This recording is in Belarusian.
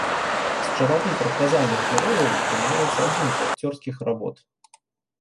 З чарады прадказальных герояў запамінаюцца адзінкі акцёрскіх работ.